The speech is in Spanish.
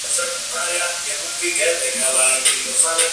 Los dos cantantes han coincidido en diversas obras con posterioridad.